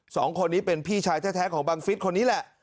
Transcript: สองคนนี้เป็นพี่ชายแท้ของบังฟิศคนนี้แหละ